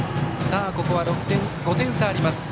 ここは５点差あります。